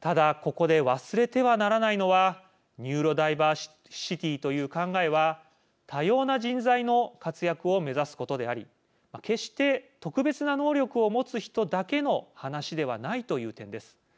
ただここで忘れてはならないのはニューロダイバーシティという考えは多様な人材の活躍を目指すことであり決して特別な能力を持つ人だけの話ではないという点です。